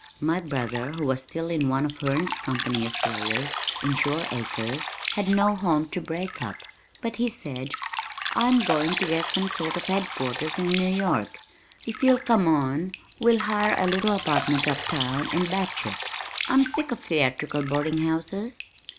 My brother who was still one of Herne's company of players in Shore Acres, had no home to break up, but he said, "I'm going to get some sort of headquarters in New York. If you'll come on we'll hire a little apartment up town and 'bach' it. I'm sick of theatrical boarding houses."